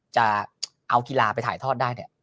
จะเอากีฬาไปถ่ายทอดได้เนี่ย